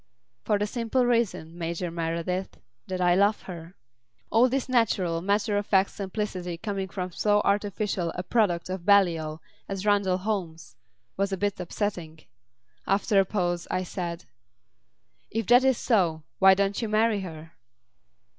"For the simple reason, Major Meredyth, that I love her." All this natural, matter of fact simplicity coming from so artificial a product of Balliol as Randall Holmes, was a bit upsetting. After a pause, I said: "If that is so, why don't you marry her?"